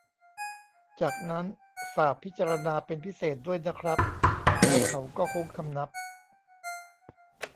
จากนั้น ฝากพิจารณาเป็นพิเศษด้วยนะครับ แล้วเขาก็โค้งคำนับ